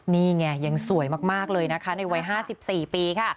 นี่ไงยังสวยมากเลยนะคะในวัย๕๔ปีค่ะ